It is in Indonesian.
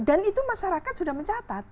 dan itu masyarakat sudah mencatat